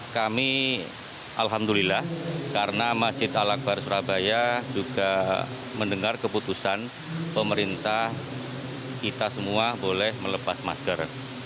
kami alhamdulillah karena masjid al akbar surabaya juga mendengar keputusan pemerintah kita semua boleh melepas masker